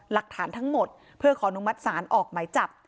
หลักฐานทั้งหมดเพื่อขออนุมัติศาลออกหมายจับ